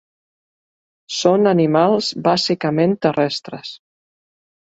Són animals bàsicament terrestres.